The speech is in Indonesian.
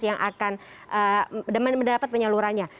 yang akan mendapat penyeluruhannya